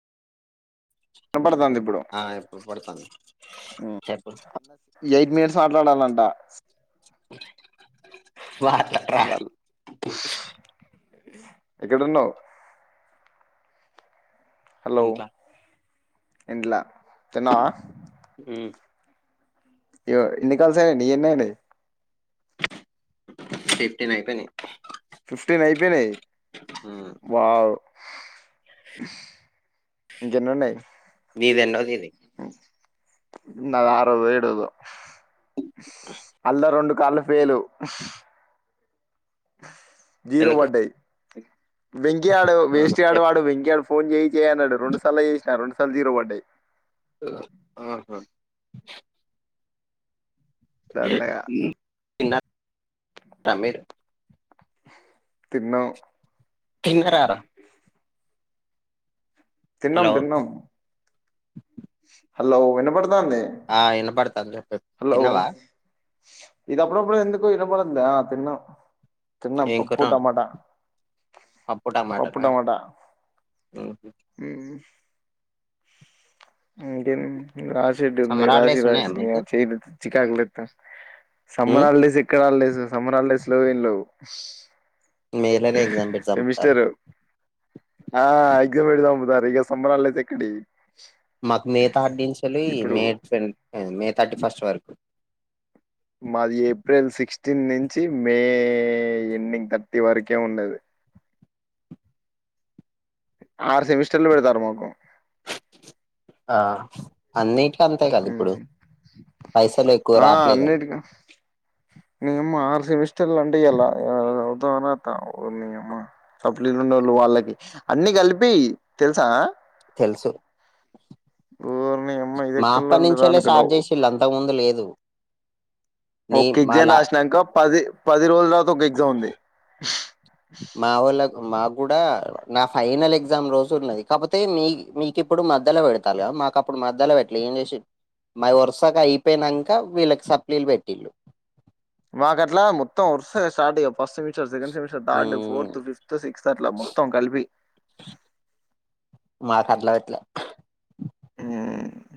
వినపడుతుంది ఇప్పుడు ఆ ఇప్పుడు పడతంది చెప్పు ఎయిట్ మినిట్స్ మాట్లాడాలంట వాళ్ళు వాటర ఎక్కడున్నావు హలో ఇంట్లా తిన్లా తిన్నావా ఉ అయ్యో ఎన్ని కాల్స్ అయినయండి ఎన్ని అయినాయి ఫిఫ్టీన్ అయిపోయినయి ఫిఫ్టీన్ అయిపోయినాయి ఉమ్. వావ్ ఇంకెన్నున్నయ్ నీదెన్నోదిది నాది ఆరోదో ఏడోదో అల్ల రెండు కాల్లు ఫెయిలు జీరో ఎందుకు వడయి వెంకీ యాడు వేస్టు యాడు చెప్పు వాడు వెంకీ యాడు ఫోన్ చెయ్ చెయ్ అన్నడు రెండు సార్లు చేసినా రెండు సార్ల జీరో పడ్డాయి ఆహా సన్నయ త తమిరు తిన్నా చింగరారు తిన్నాం హలో తిన్నాం హలో విన పడుతు ఆ వినపడతాని చెప్పి హలో తినవా ఇది అప్పుడు అప్పుడు ఎందుకో ఇడప్పుడందా తిన్న తన్న ఏం కూర పప్పు టమాటా పప్పు పప్పు టమాటనా టమాటా ఇంకేం రాశిరెడ్డి ఉన్నా సమ్మరాలు రాసి డేస్ ఉన్నాయా రాసిన మీకు చేయలే చికాకులుస్తాం ఉమ్, సమ్మరాళ్లేసి ఎక్కడళ్ళ లేదు సమరాల స్లోవన్ లో మేలోనే ఎగ్జామ్ పెట్టి చంపుతారు సెమిస్టరు ఆ ఎక్మ్ ఎడుదా పోతా వేగా సమోరాల ఇక్కడ మాకు మిగతా ఆడించాల మే మే థర్టీ ఫస్ట్ వరకు మాది ఏప్రిల్ సిక్స్టీన్ నుంచి మే ఎండింగ్ థర్టీ వరకే ఉండది ఆరు సెమిస్టర్లు పెడుతారమాకు ఆ అన్నీ ఎక్కువ ఆ రావట్లేదని అన్నింటికక అమ్మా ఆరు సెమిస్టర్లు అంటే ఎలాతా సలీలున్న వాళ్ళు వాళ్ళకి అన్ని కలిపి తెలుసా తెలుసు ఓర్నీయమ్మ ఇది మా ఎక్కడ అప్ప లొల్లిరా నుంచేళ్ళ అనుకున్నావ్ స్టార్ట్ చేసి ఇళ్ళ అంత ముందు లేదు నీ ఒకే మా ఎగ్జామ్ లా రాసినాక పది అది రోజు రాత ఒక ఎగ్జామ్ ఉంది మా వోళ్ళకు మాకు కూడా నా ఫైనల్ ఎగ్జామ్ రోజు ఉన్నది కాకపోతే మీ మీకు ఇప్పుడు మద్ద్యలో పెడతాలద మాకు అప్పుడు మద్దలో పెట్టలే ఏం చే మా వరుసగా అయిపోయినాక వీళ్ళకి సప్లీలు పెట్టిళ్ళు మాకట్లా మొత్తం వరుసగా స్టార్ట్ చేసిరు ప్రో second semester third um fourth fifth sixth అట్లా మొత్తం కలిపి మా కట్ల పెట్లే మ్మ్మ్మ్